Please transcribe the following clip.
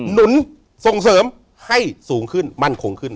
หนุนส่งเสริมให้สูงขึ้นมั่นคงขึ้น